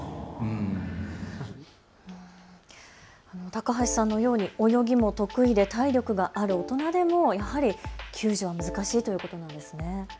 高橋さんのように泳ぎも得意で体力がある大人でもやはり救助は難しいということなんですね。